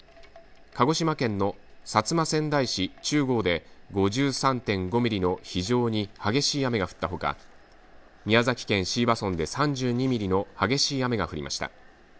鹿児島県の薩摩川内市中郷で５３．５ミリの非常に激しい雨が降ったほか宮崎県椎葉村で３２ミリの激しい雨が降りました。